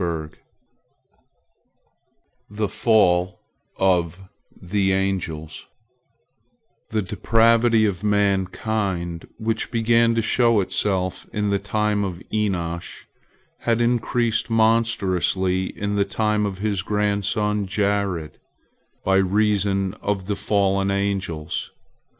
THE FALL OF THE ANGELS The depravity of mankind, which began to show itself in the time of Enosh, had increased monstrously in the time of his grandson Jared, by reason of the fallen angels.